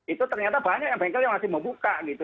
itu ternyata banyak yang bengkel yang masih mau buka gitu